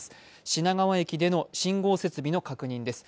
品川駅での信号設備の確認です。